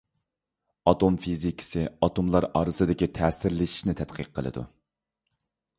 ئاتوم فىزىكىسى ئاتوملار ئارىسىدىكى تەسىرلىشىشنى تەتقىق قىلىدۇ.